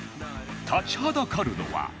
立ちはだかるのは